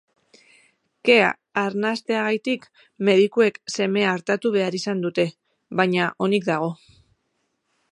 Kea arnasteagatik medikuek semea artatu behar izan dute, baina onik dago.